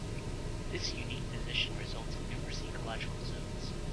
This unique position results in numerous ecological zones.